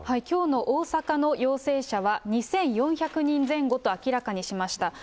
きょうの大阪の陽性者は２４００人前後と明らかにしました。